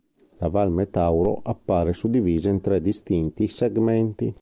La Val Metauro appare suddivisa in tre distinti segmenti.